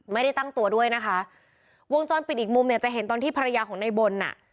ไม่ได้ตั้งตัวด้วยนะคะวงจรปิดอีกมุมเนี่ยจะเห็นตอนที่ภรรยาของในบนอ่ะ